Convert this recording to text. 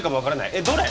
えっどれ？